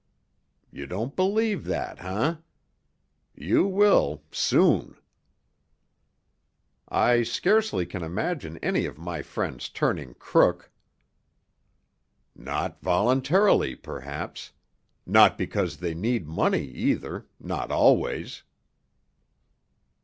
You don't believe that, eh? You will—soon." "I scarcely can imagine any of my friends turning crook." "Not voluntarily, perhaps. Not because they need money, either—not always."